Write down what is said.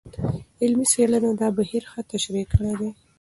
علمي څېړنو دا بهیر ښه تشریح کړی دی.